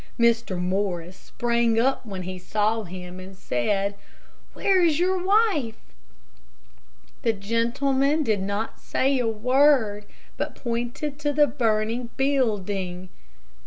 Mr. Morris sprang up when he saw him, and said, "Where is your wife?" The gentleman did not say a word, but pointed to the burning building.